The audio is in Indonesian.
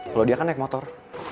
kalau dia kan naik motor